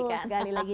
betul sekali lagi